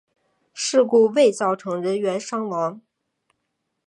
事故未造成人员伤亡。